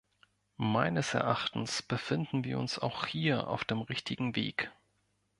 Meines Erachtens befinden wir uns auch hier auf dem richtigen Weg.